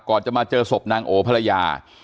ก่อนจะมาเจอศพนางโอพระยา